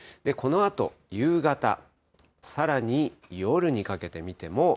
このあと、夕方、さらに夜にかけて見ても。